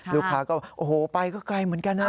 ลูกค้าก็โอ้โหไปก็ไกลเหมือนกันนะ